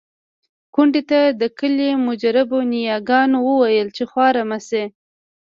کونډې ته د کلي مجربو نياګانو وويل چې خواره مه شې.